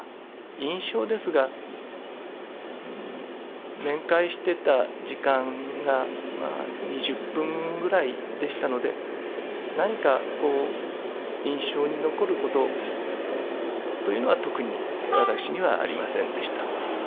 印象ですが、面会してた時間が２０分ぐらいでしたので、何かこう、印象に残ることというのは、特に私にはありませんでした。